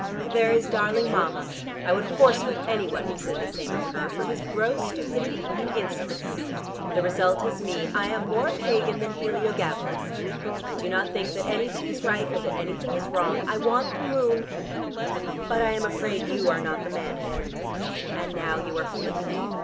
There is darling Mama! I would horse whip any one who said the same of her, for his gross stupidity and insolence. The result is me; I am more pagan than Heliogabalus. I do not think that anything is right or that anything is wrong. I want the moon, but I am afraid you are not the man in it." "And now you are flippant."